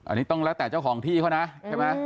อันนี้ต้องแล้วแต่เจ้าของที่เขานะใช่ไหม